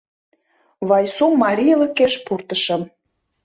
Вайсум марийлыкеш пуртышым...